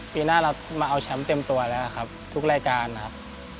ปีหน้าเรามาเอาแชมป์เต็มตัวแล้วครับทุกรายการครับ